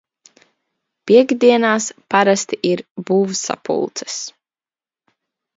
Piektdienās parasti ir būvsapulces.